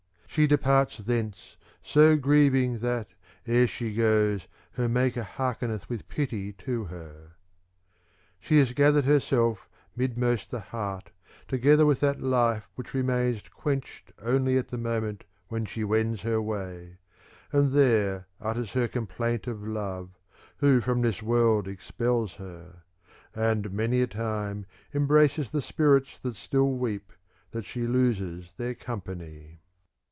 She departs thence^, so grieving that, e'er she goes, her maker hearkeneth with pity to her. She hath gathered herself, midmost the heart, Together with that life which remains quenched only at the moment when she wends her way :^ and there utters her complaint of love, who from this world ex pels her : and many a time embraces the spirits that still weep, that she loses their company.